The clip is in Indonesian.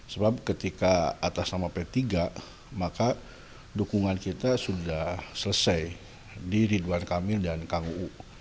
sebab ketika atas nama p tiga maka dukungan kita sudah selesai di ridwan kamil dan kang uu